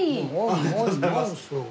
ありがとうございます。